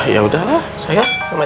yaudah lah saya tanya